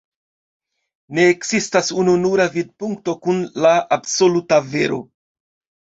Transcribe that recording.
Ne ekzistas ununura vidpunkto kun la absoluta vero.